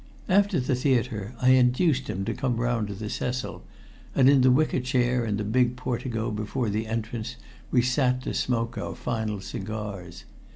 After the theater I induced him to come round to the Cecil, and in the wicker chair in the big portico before the entrance we sat to smoke our final cigars.